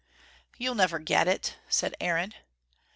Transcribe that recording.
"You'll never get it," said Aaron.